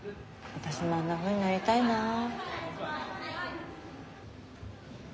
私もあんなふうになりたいなあ。